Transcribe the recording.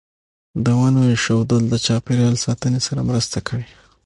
د ونو ایښودل د چاپیریال ساتنې سره مرسته کوي.